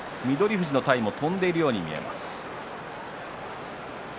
富士の体も飛んでいるように見えます。